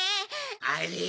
あれ？